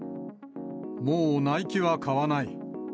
もうナイキは買わない。